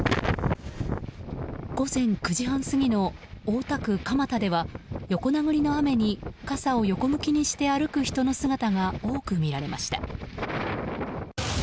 午前９時半過ぎの大田区蒲田では横殴りの雨に傘を横向きにして歩く人の姿が多く見られました。